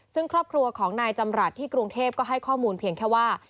ซึ่งครอบครัวของนายจำรัฐที่กรุงเทพก็ให้ข้อมูลเพียงแค่ว่า